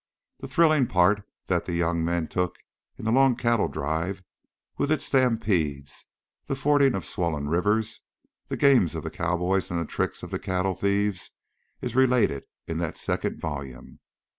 The thrilling part that the young men took in the long cattle drive, with its stampedes, the fording of swollen rivers, the games of the cowboys and the tricks of the cattle thieves, is related in that second volume.